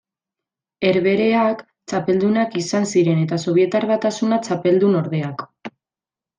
Herbehereak txapeldunak izan ziren eta Sobietar Batasuna txapeldunordeak.